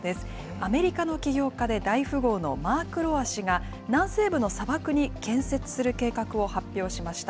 アメリカの企業家で大富豪のマーク・ロア氏が、南西部の砂漠に建設する計画を発表しました。